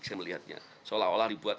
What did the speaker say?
saya melihatnya seolah olah dibuat